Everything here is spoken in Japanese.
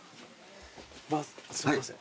すいません。